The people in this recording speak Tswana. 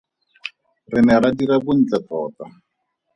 Re ne ra dira bontle tota.